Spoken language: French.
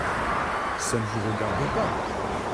Ça ne vous regarde pas.